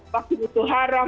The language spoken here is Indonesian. vaksin itu haram